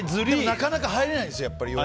なかなか入れないんですよ。